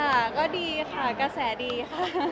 ค่ะก็ดีค่ะกระแสดีค่ะ